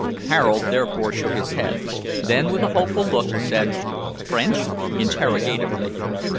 Harold therefore shook his head; then, with a hopeful look, said "French?" interrogatively.